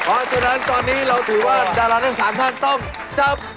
เพราะฉะนั้นตอนนี้เราถือว่าดาราทั้ง๓ท่านต้องจับ